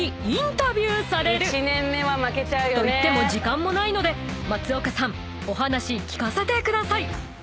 ［といっても時間もないので松岡さんお話聞かせてください］